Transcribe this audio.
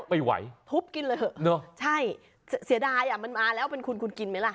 ไม่ไหวทุบกินเลยเถอะใช่เสียดายอ่ะมันมาแล้วเป็นคุณคุณกินไหมล่ะ